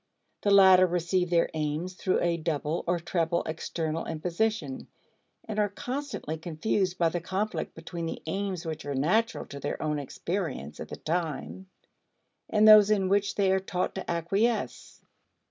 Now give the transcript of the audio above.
The latter receive their aims through a double or treble external imposition, and are constantly confused by the conflict between the aims which are natural to their own experience at the time and those in which they are taught to acquiesce.